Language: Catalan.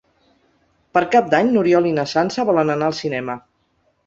Per Cap d'Any n'Oriol i na Sança volen anar al cinema.